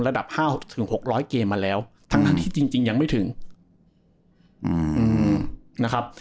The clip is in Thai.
ห้าถึงหกร้อยเกมมาแล้วทั้งที่จริงยังไม่ถึงนะครับ